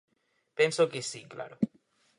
Penso que si, claro.